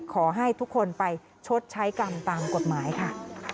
ขอให้ทุกคนไปชดใช้กรรมตามกฎหมายค่ะ